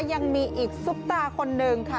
ยังมีอีกซุปตาคนนึงค่ะ